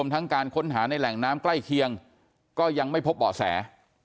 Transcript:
ทั้งการค้นหาในแหล่งน้ำใกล้เคียงก็ยังไม่พบเบาะแส